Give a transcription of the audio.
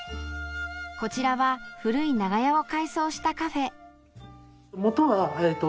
こちらは古い長屋を改装したカフェ。